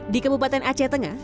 di kebupatan aceh tengah